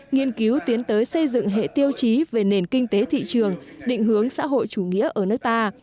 nghiên cứu tiến tới xây dựng hệ tiêu chí về nền kinh tế thị trường định hướng xã hội chủ nghĩa ở nước ta